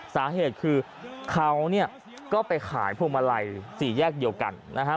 สาเหตุคือเขาเนี่ยก็ไปขายพวงมาลัยสี่แยกเดียวกันนะฮะ